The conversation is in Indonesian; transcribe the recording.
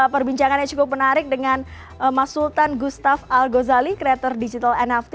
perbincangannya cukup menarik dengan mas sultan gustaf al gosali creator digital nft